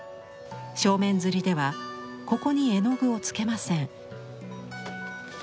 正面摺ではここに絵の具をつけません。